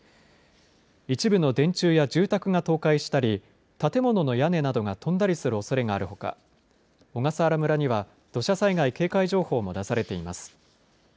一部の電柱や住宅が倒壊したり建物の屋根などが飛んだりするおそれがあるほか小笠原村には土砂災害警戒情報も出されています。